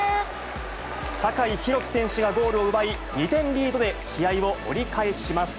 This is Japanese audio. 酒井宏樹選手がゴールを奪い、２点リードで試合を折り返します。